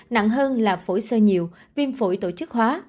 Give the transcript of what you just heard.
nặng hơn là phổi sơ nhiều viêm phổi tổ chức hóa